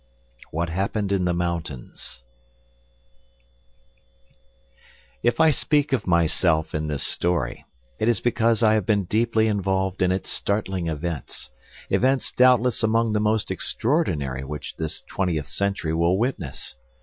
WHAT HAPPENED IN THE MOUNTAINS If I speak of myself in this story, it is because I have been deeply involved in its startling events, events doubtless among the most extraordinary which this twentieth century will witness.